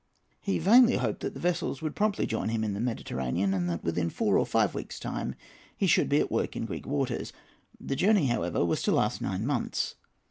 He vainly hoped that the vessels would promptly join him in the Mediterranean, and that within four or five weeks' time he should be at work in Greek waters. The journey, however, was to last nine months.